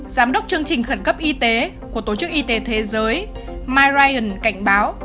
giám đốc chương trình khẩn cấp y tế của tổ chức y tế thế giới mike ryan cảnh báo